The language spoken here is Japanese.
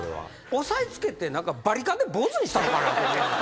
押さえつけてバリカンで坊主にしたろかな。